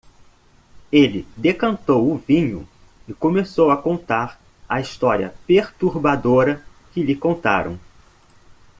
Ele decantou o vinho e começou a contar a história perturbadora que lhe contaram.